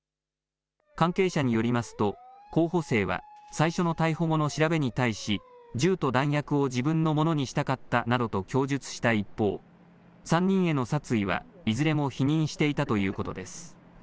関係者によりますと、候補生は最初の逮捕後の調べに対し、銃と弾薬を自分のものにしたかったなどと供述した一方、３人への殺意はいずれも否認していたということです。